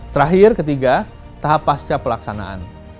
terakhir ketiga tahap pasca pelaksanaan